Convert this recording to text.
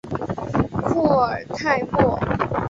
库尔泰莫。